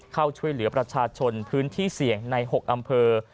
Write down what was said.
เข้าช่วยเหลือประชาชนพื้นที่เสี่ยงใน๖อำเภอ